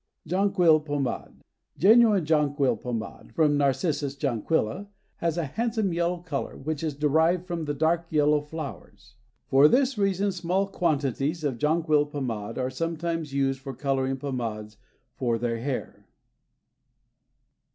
Jonquille Pomade. Genuine jonquille pomade, from Narcissus Jonquilla, has a handsome yellow color which is derived from the dark yellow flowers; for this reason small quantities of jonquille pomade are sometimes used for coloring pomades for the hair.